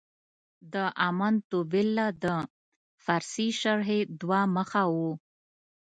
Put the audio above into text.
د امنت بالله د پارسي شرحې دوه مخه و.